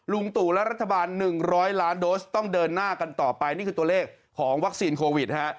ตู่และรัฐบาล๑๐๐ล้านโดสต้องเดินหน้ากันต่อไปนี่คือตัวเลขของวัคซีนโควิดฮะ